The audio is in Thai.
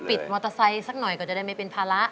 มอเตอร์ไซค์สักหน่อยก็จะได้ไม่เป็นภาระ